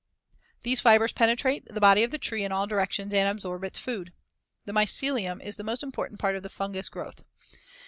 These fibers penetrate the body of the tree in all directions and absorb its food. The mycelium is the most important part of the fungous growth.